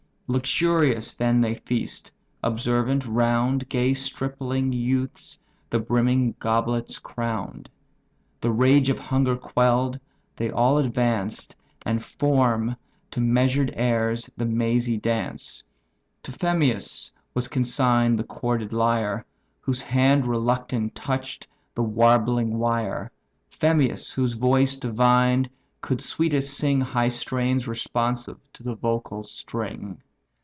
Luxurious then they feast. Observant round Gay stripling youths the brimming goblets crown'd. The rage of hunger quell'd, they all advance And form to measured airs the mazy dance; To Phemius was consign'd the chorded lyre, Whose hand reluctant touch'd the warbling wire; Phemius, whose voice divine could sweetest sing High strains responsive to the vocal string.